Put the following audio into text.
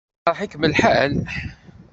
Iqṛeḥ-ikem lḥal?